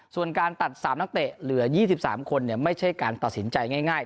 ส่วนการตัด๓นักเตะเหลือ๒๓คนไม่ใช่การตัดสินใจง่าย